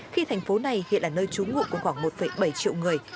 khi thành phố này hiện là nơi trú ngụ của khoảng một bảy triệu người